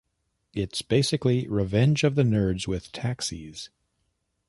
It's basically "Revenge of the Nerds" with taxis.